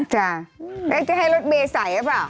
จ้ะจะให้รถเบรใสหรือเปล่า